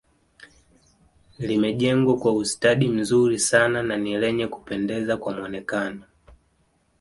Limejengwa kwa ustadi mzuri sana na ni lenye Kupendeza kwa mwonekano